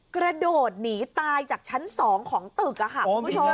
กระโดดหนีตายจากชั้น๒ของตึกค่ะคุณผู้ชม